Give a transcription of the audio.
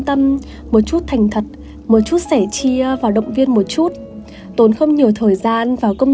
tâm một chút thành thật một chút sẻ chia và động viên một chút tốn không nhiều thời gian vào công